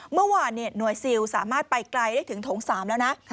เมื่อวานหน่วยซิลสามารถไปไกลได้ถึงโถง๓แล้วนะ